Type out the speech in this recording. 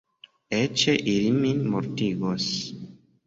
Eĉ ili min mortigos.